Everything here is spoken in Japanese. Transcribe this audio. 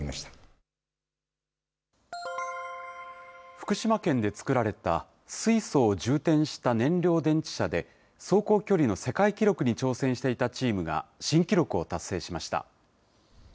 福島県で作られた水素を充填した燃料電池車で、走行距離の世界記録に挑戦していたチームが新記録を達成しました。